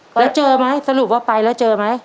แล้วเจอไหมสรุปว่าไปแล้วเจอไหม